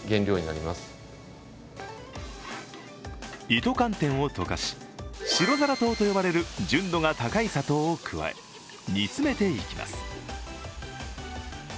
糸寒天を溶かし、白双糖と呼ばれる純度が高い砂糖を加え煮詰めていきます。